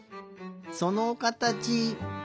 そのかたち。